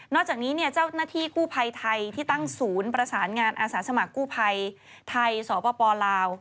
จากนี้เจ้าหน้าที่กู้ภัยไทยที่ตั้งศูนย์ประสานงานอาสาสมัครกู้ภัยไทยสปลาว